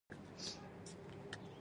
چې یې خال په مخ کې وینم، حیران شوم.